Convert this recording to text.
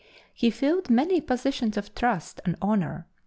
He filled many positions of trust and honor.